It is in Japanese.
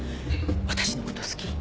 「私のこと好き？」